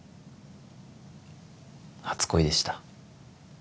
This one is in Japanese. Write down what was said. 初恋でした